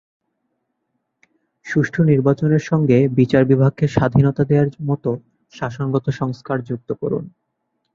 সুষ্ঠু নির্বাচনের সঙ্গে বিচার বিভাগকে স্বাধীনতা দেওয়ার মতো শাসনগত সংস্কার যুক্ত করুন।